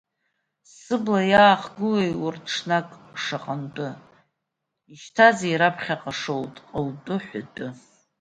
Сыбла иаахгылои урҭ ҽнак шаҟантәы, ишьҭази раԥхьаҟа шаҟа утәы, ҳәатәы.